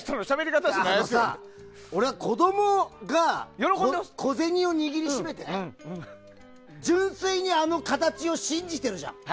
俺は子供が小銭を握り締めて純粋にあの形を信じてるじゃない。